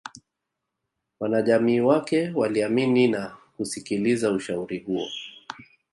Wanajamii wake waliamini na kusikiliza ushauri huo